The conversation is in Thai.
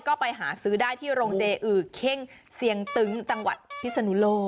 ก็ไปหาซื้อได้ที่โรงเจอือเข้งเสียงตึ้งจังหวัดพิศนุโลก